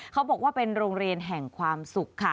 เขาบอกว่าเป็นโรงเรียนแห่งความสุขค่ะ